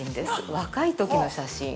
若いときの写真。